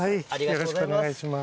よろしくお願いします。